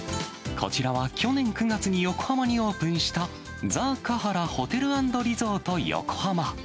こちらは去年９月に横浜にオープンした、ザ・カハラ・ホテル＆リゾート横浜。